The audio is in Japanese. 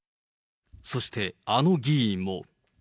そしてあの議員も。